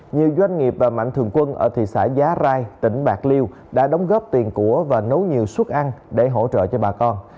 nhiều doanh nghiệp và mạnh thường quân ở thị xã giá rai tỉnh bạc liêu đã đóng góp tiền của và nấu nhiều suất ăn để hỗ trợ cho bà con